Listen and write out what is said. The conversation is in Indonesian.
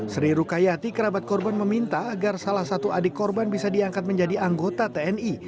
sri rukayati kerabat korban meminta agar salah satu adik korban bisa diangkat menjadi anggota tni